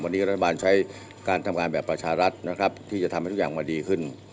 วันนี้รัฐบาลใช้การทำงานแบบประชารัฐนะครับที่จะทำให้ทุกอย่างมาดีขึ้น